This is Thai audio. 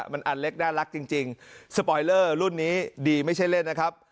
มันอันเล็กน่ารักจริงสปอยเลอร์รุ่นนี้ดีไม่ใช่เล่นนะครับ